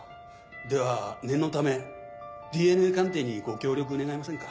では念のためＤＮＡ鑑定にご協力願えませんか？